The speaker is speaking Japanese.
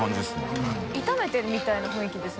大友）炒めてるみたいな雰囲気ですね。